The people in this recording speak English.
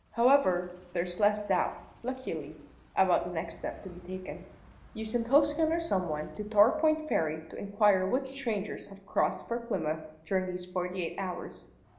However, there's less doubt, luckily, about the next step to be taken. You send Hosken or some one to Torpoint Ferry to inquire what strangers have crossed for Plymouth during these forty eight hours.